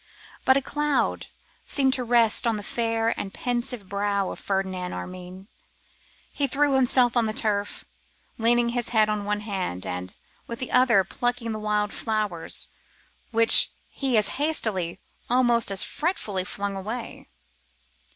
But a cloud seemed to rest on the fair and pensive brow of Ferdinand Armine. He threw himself on the turf, leaning his head on one hand, and with the other plucking the wild flowers, which he as hastily, almost as fretfully, flung away.